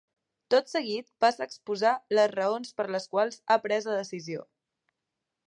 Tot seguit passa a exposar les raons per les quals ha pres la decisió.